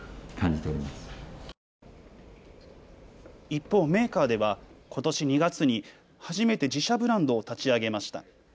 一方、メーカーではことし２月に初めて自社ブランドを立ち上げました。